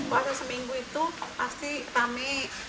puasa seminggu itu pasti rame